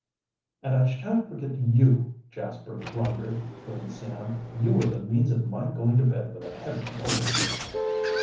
"And I shan't forget you, Jasper Grinder," put in Sam. "You were the means of my going to bed with a heavy cold."